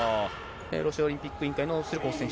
ロシアオリンピック委員会のスルコフ選手。